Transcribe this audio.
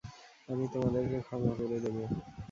আমি তোমাদেরকে ক্ষমা করে দেব।